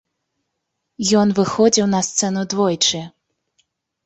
Ён выходзіў на сцэну двойчы.